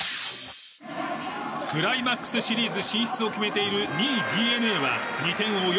クライマックスシリーズ進出を決めている２位、ＤｅＮＡは２点を追う